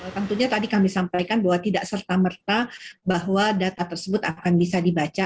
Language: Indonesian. tentunya tadi kami sampaikan bahwa tidak serta merta bahwa data tersebut akan bisa dibaca